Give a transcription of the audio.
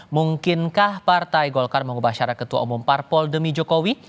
mungkinkah partai golkar mengubah syarat ketua umum parpol demi jokowi